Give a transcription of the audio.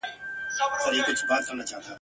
« ګیدړ چي مخ پر ښار ځغلي راغلی یې اجل دی» !.